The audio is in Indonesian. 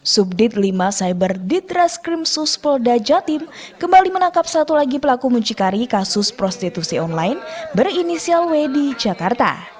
sub dit lima cyber ditras krim sus polda jawa timur kembali menangkap satu lagi pelaku muncikari kasus prostitusi online berinisial w di jakarta